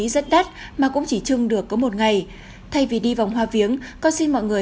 rất đắt mà cũng chỉ chưng được có một ngày thay vì đi vòng hoa viếng con xin mọi người